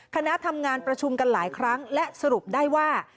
คณะทำงานประชุมกันหลายครั้งและสรุปได้ว่า